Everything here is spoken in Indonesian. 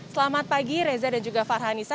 selamat pagi reza dan juga farhanisa